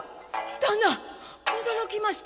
「旦那驚きました！」。